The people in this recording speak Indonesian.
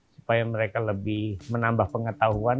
supaya mereka lebih menambah pengetahuan